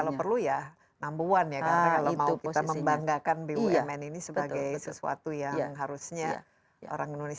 kalau perlu ya number one ya kan kalau mau kita membanggakan bumn ini sebagai sesuatu yang harusnya orang indonesia